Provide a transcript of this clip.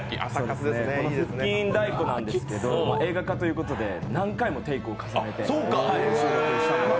この腹筋太鼓なんですけど、映画化ということで何回もテイクを重ねて収録したのが。